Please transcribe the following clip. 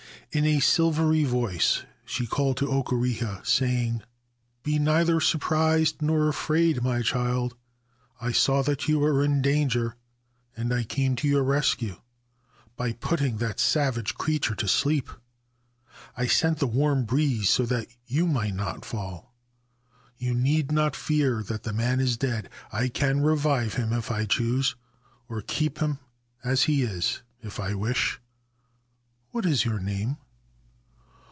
In a silvery voice she called to Okureha, saying :' Be neither surprised nor afraid, my child. I saw that you were in danger, and I came to your rescue by putting that savage creature to sleep ; I sent the warm breeze so that you might not fall. You need not fear that the man is dead. I can revive him if I choose, or keep him as he is if I wish. What is your name